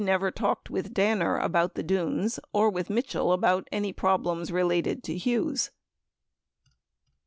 985 never talked with Danner about the Dunes 27 or with Mitchell about any problems related to Hughes.